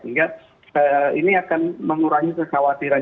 ini akan mengurangi kekhawatiran